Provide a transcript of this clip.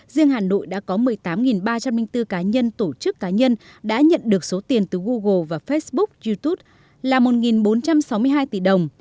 riêng hà nội đã có một mươi tám ba trăm linh bốn cá nhân tổ chức cá nhân đã nhận được số tiền từ google và facebook youtube là một bốn trăm sáu mươi hai tỷ đồng